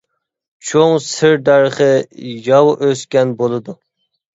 چوڭ سىر دەرىخى ياۋا ئۆسكەن بولىدۇ.